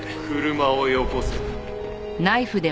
車をよこせ。